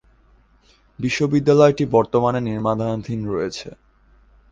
বিশ্ববিদ্যালয়টি বর্তমানে নির্মাণাধীন রয়েছে।